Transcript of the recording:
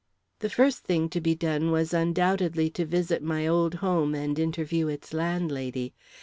The first thing to be done was undoubtedly to visit my old home and interview its landlady.